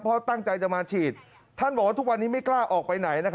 เพราะตั้งใจจะมาฉีดท่านบอกว่าทุกวันนี้ไม่กล้าออกไปไหน